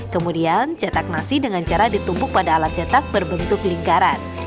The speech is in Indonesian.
kemudian cetak nasi dengan cara ditumpuk pada alat cetak berbentuk lingkaran